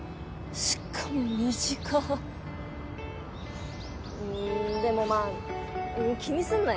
しかも短っうんでもまあ気にすんなよ